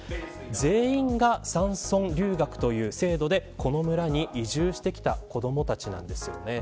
全員が山村留学という制度でこの村に移住してきた子どもたちなんです。